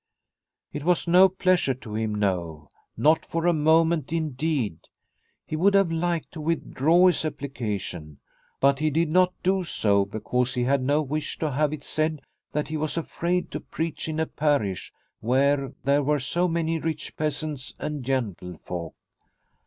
It was no pleasure to him no, not for a moment indeed, he would have liked to with draw his application, but he did not do so because he had no wish to have it said that he was afraid to preach in a parish where there were so many rich peasants and gentlefolk.